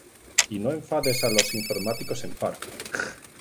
y no enfades a los informáticos en paro